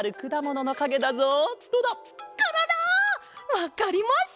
わかりました！